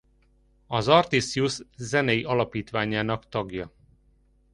Az Artisjus zenei alapítványának tagja.